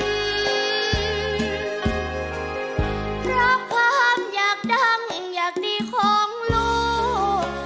เพราะความอยากดังอยากดีของลูก